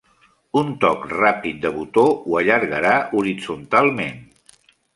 Un toc ràpid de botó ho allargarà horitzontalment.